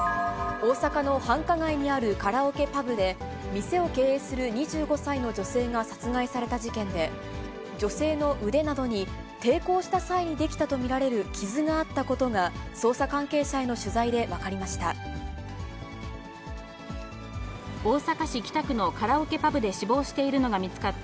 大阪の繁華街にあるカラオケパブで、店を経営する２５歳の女性が殺害された事件で、女性の腕などに抵抗した際に出来たと見られる傷があったことが、捜査関係者への取材で分かりました。